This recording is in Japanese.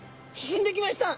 進んでいきました。